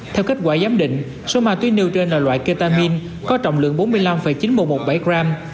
theo kết quả giám định số ma túy nêu trên là loại ketamin có trọng lượng bốn mươi năm chín nghìn một mươi bảy gram